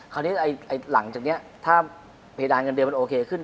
คราวนี้หลังจากนี้ถ้าเพดานเงินเดือนมันโอเคขึ้น